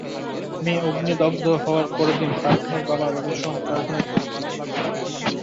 মেয়ে অগ্নিদগ্ধ হওয়ার পরদিন পারভীনের বাবা রুবেলসহ চারজনের বিরুদ্ধে মামলা করেন।